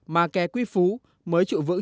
mà kè quy phú mới trụ vững